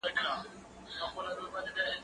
پوښتنه د زده کوونکي له خوا کيږي؟